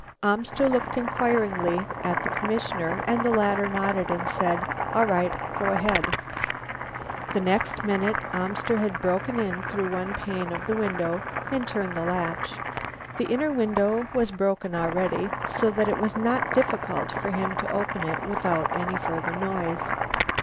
Amster looked inquiringly at the commissioner and the latter nodded and said, "All right, go ahead." The next minute Amster had broken in through one pane of the window and turned the latch. The inner window was broken already so that it was not difficult for him to open it without any further noise.